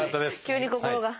急に心が。